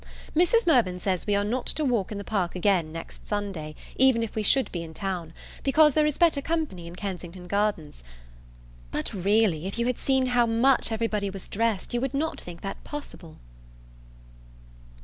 Mrs. Mirvan says we are not to walk in the Park again next Sunday, even if we should be in town, because there is better company in Kensington Gardens; but really if you had seen how much every body was dressed, you would not think that possible.